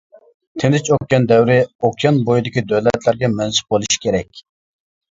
تىنچ ئوكيان دەۋرى ئوكيان بويىدىكى دۆلەتلەرگە مەنسۇپ بولۇشى كېرەك.